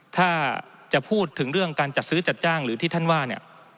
ถ้าจะพูดถึงเรื่องการจัดซื้อจัดจ้างหรือที่ท่านว่าเนี่ย